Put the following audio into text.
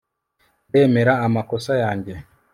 ndemera amakosa yanjye